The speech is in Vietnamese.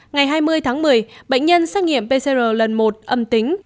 ngày hai mươi tháng một mươi bệnh nhân xét nghiệm pcr lần một âm tính